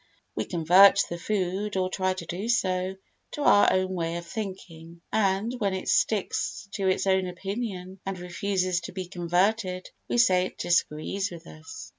We convert the food, or try to do so, to our own way of thinking, and, when it sticks to its own opinion and refuses to be converted, we say it disagrees with us.